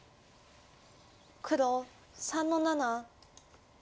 黒３の七。